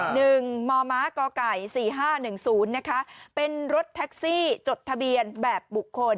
หนึ่งมมก๔๕๑๐นะคะเป็นรถแท็กซี่จดทะเบียนแบบบุคคล